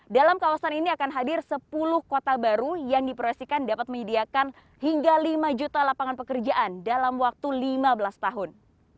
dalam kawasan ini akan hadir sepuluh kota baru yang diproyeksikan dapat menyediakan hingga lima juta lapangan pekerjaan dalam waktu lima belas tahun